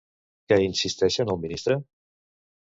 Què insisteixen al ministre?